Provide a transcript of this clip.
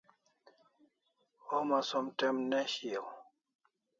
Homa som t'em ne shiau